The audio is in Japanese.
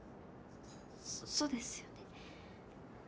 そそうですよね。